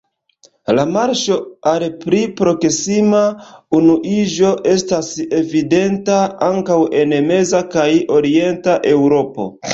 La marŝo al pli proksima unuiĝo estas evidenta ankaŭ en meza kaj orienta Eŭropo.